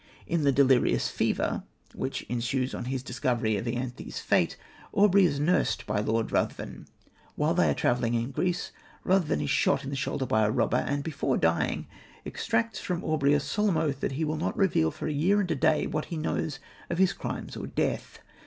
In the delirious fever, which ensues on his discovery of Ianthe's fate, Aubrey is nursed by Lord Ruthven. While they are travelling in Greece, Ruthven is shot in the shoulder by a robber, and, before dying, exacts from Aubrey a solemn oath that he will not reveal for a year and a day what he knows of his crimes or death.